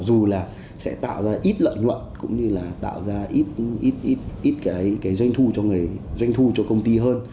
dù là sẽ tạo ra ít lợi nhuận cũng như là tạo ra ít doanh thu cho công ty hơn